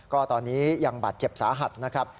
ก็ตอนนี้ยังบาดเจ็บสาหัสนะครับ